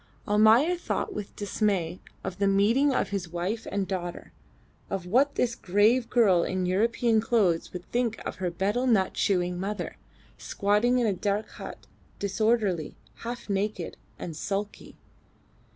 Almayer thought with dismay of the meeting of his wife and daughter, of what this grave girl in European clothes would think of her betel nut chewing mother, squatting in a dark hut, disorderly, half naked, and sulky.